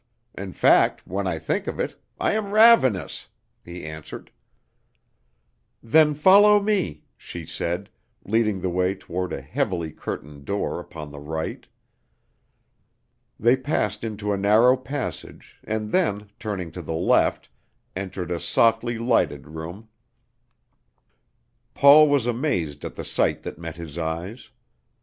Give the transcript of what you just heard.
In fact, when I think of it, I am ravenous," he answered. "Then follow me," she said, leading the way toward a heavily curtained door upon the right. They passed into a narrow passage, and then, turning to the left, entered a softly lighted room. Paul was amazed at the sight that met his eyes.